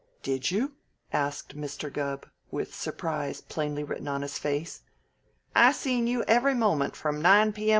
"Did you?" asked Mr. Gubb, with surprise plainly written on his face. "I seen you every moment from nine P.M.